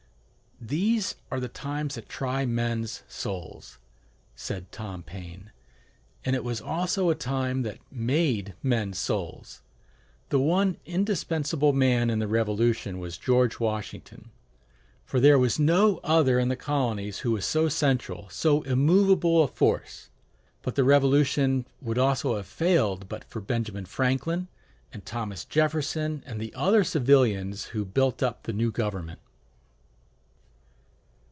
"These are the times that try men's souls," said Tom Paine, and it was also a time that made men's souls! The one indispensable man in the Revolution was George Washington; for there was no other in the colonies who was so central, so immovable, a force. But the Revolution would also have failed but for Benjamin Franklin, and Thomas Jefferson, and the other civilians who built up the new government.